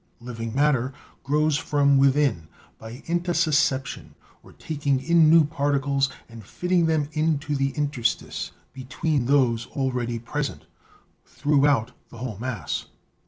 Living matter grows from within by intussusception, or taking in new particles, and fitting them into the interstice* between those already present, throughout the whole mass.